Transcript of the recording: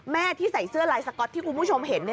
ที่ใส่เสื้อลายสก๊อตที่คุณผู้ชมเห็น